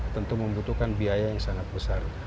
tentu membutuhkan biaya besar